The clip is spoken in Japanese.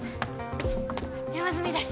山住です